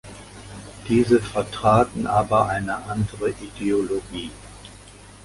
Diese vertraten aber eine andere Ideologie.